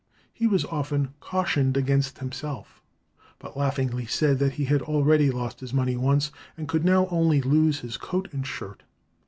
He was often cautioned against himself; but laughingly said that he had already lost his money once and could now only lose his coat and shirt.